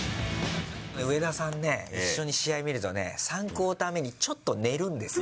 上田さんね、一緒に試合見るとね、３クオーター目に、ちょっと寝るんですよ。